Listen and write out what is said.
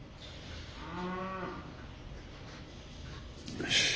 よし。